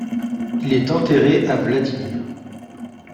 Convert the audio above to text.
Il est enterré à Vladimir.